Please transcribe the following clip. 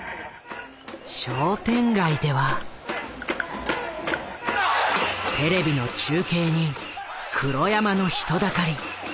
商店街ではテレビの中継に黒山の人だかり。